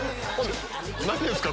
何ですか？